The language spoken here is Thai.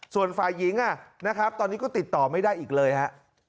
ส่วนฝ่ายหญิงนะครับตอนนี้ก็ติดต่อไม่ได้อีกเลยฮะ